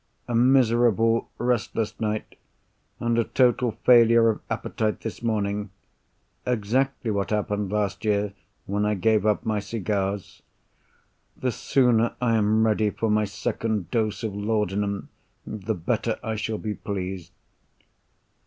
"A miserable, restless night; and a total failure of appetite this morning. Exactly what happened last year, when I gave up my cigars. The sooner I am ready for my second dose of laudanum, the better I shall be pleased."